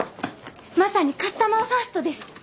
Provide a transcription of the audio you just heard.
まさにカスタマーファーストです！